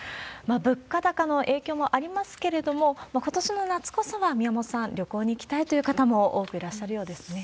物価高の影響もありますけれども、ことしの夏こそは、宮本さん、旅行に行きたいという方も多くいらっしゃるようですね。